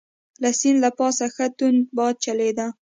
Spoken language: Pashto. د سیند له پاسه ښه توند باد چلیده.